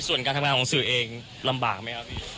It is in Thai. ส่วนการทำงานของสื่อเองลำบากไหมครับพี่